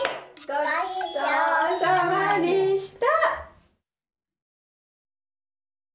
ごちそうさまでした。